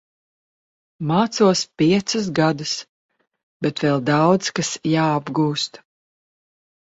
Mācos piecus gadus, bet vēl daudz kas jāapgūst.